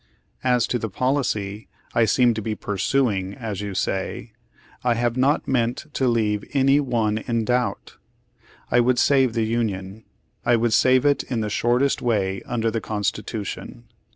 "As to the policy I 'seem to be pursuing,' as you say, 1 have not meant to leave any one in doubt. I would save the Union. I would save it in the shortest way under the Constitution.